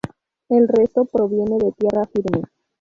El resto, proviene de tierra firme.